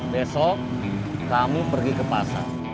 besok kamu pergi ke pasar